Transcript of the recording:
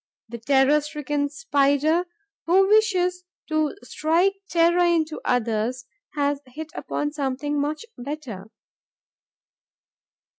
The terror stricken Spider, who wishes to strike terror into others, has hit upon something much better.